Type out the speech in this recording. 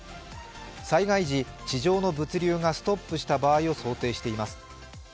災害時物流がストップした場合を想定しています。